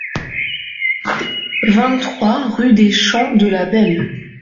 vingt-trois rue des Champs de la Belle